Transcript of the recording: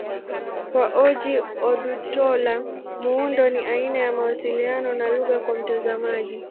Kwa Ojih Odutola, muundo ni aina ya mawasiliano na lugha kwa mtazamaji.